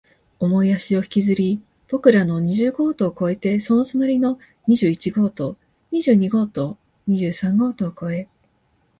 重い足を引きずり、僕らの二十号棟を越えて、その隣の二十一号棟、二十二号棟、二十三号棟を越え、